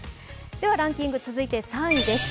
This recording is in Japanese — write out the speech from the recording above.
ランキング、続いて３位です。